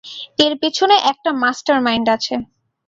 এর পেছনে একটা মাস্টার মাইন্ড আছে।